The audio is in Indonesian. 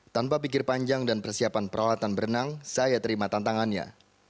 tanpa pikir panjang dan persiapan peralatan berenang saya terima tantangannya